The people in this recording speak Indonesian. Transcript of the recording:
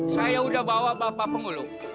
saya udah bawa bapak penghulu